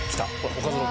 おかずの。